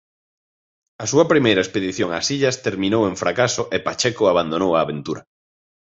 A súa primeira expedición ás illas terminou en fracaso e Pacheco abandonou a aventura.